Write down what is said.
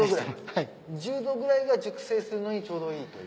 １０℃ぐらいが熟成するのにちょうどいいという？